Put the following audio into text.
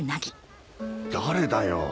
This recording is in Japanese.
誰だよ？